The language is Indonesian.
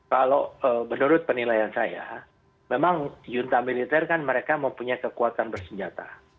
kalau menurut penilaian saya memang junta militer kan mereka mempunyai kekuatan bersenjata